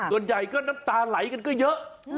ส่วนใหญ่ก็น้ำตาไหลกันก็เยอะ